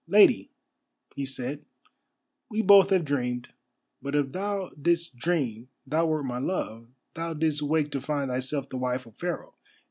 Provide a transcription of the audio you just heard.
"Lady," he said, "we both have dreamed. But if thou didst dream thou wert my love, thou didst wake to find thyself the wife of Pharaoh.